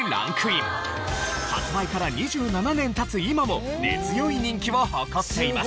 発売から２７年経つ今も根強い人気を誇っています。